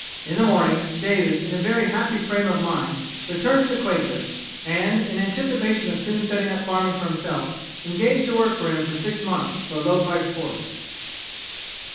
In the morning, David, in a very happy frame of mind, returned to the Quaker's, and in anticipation of soon setting up farming for himself, engaged to work for him for six months for a low priced horse.